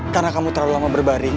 karena kamu terlalu lama berbaring